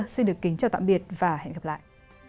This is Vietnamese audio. xin chào tạm biệt và hẹn gặp lại